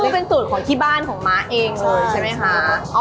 นี่เป็นสูตรของที่บ้านของม้าเองเลยใช่ไหมคะ